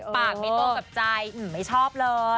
ปากไม่ตรงกับใจไม่ชอบเลย